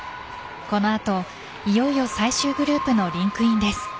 この後、いよいよ最終グループのリンクインです。